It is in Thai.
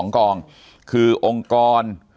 กองคือองค์กร